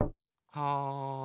・はい。